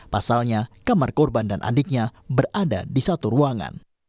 pasalnya kamar korban dan adiknya berada di satu ruangan